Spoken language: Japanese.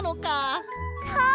そう！